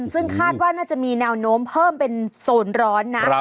ซึ่งคาดว่าน่าจะมีแนวโน้มเพิ่มเป็นโซนร้อนนะ